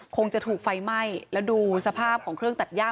คงจะถูกไฟไหม้แล้วดูสภาพของเครื่องตัดย่า